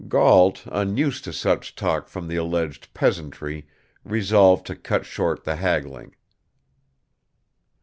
Gault, unused to such talk from the alleged "peasantry," resolved to cut short the haggling.